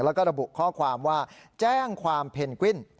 แล้วก็ระบุข้อความว่าแจ้งความเพนกวิ้น